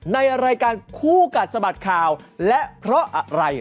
ในรายการคู่กัดสะบัดข่าวและเพราะอะไร